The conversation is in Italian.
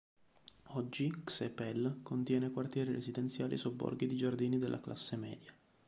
Oggi, Csepel contiene quartieri residenziali e sobborghi di giardini della classe media.